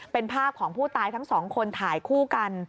เป็นภาพของผู้ตายทั้งสองคนถ่ายคู่กัน